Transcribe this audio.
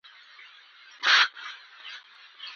تواب په بيړه شاوخوا وکتل، کليوال ليرې و: